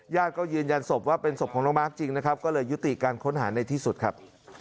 ก็ยืนยันศพว่าเป็นศพของน้องมาร์คจริงนะครับก็เลยยุติการค้นหาในที่สุดครับ